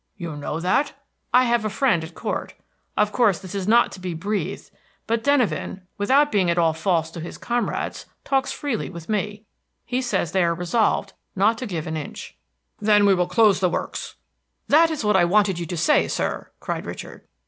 "You know that?" "I have a friend at court. Of course this is not to be breathed, but Denyven, without being at all false to his comrades, talks freely with me. He says they are resolved not to give an inch." "Then we will close the works." "That is what I wanted you to say, sir!" cried Richard.